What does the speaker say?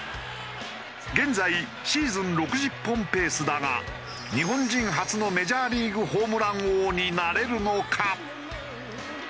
現在シーズン６０本ペースだが日本人初のメジャーリーグホームラン王になれるのか？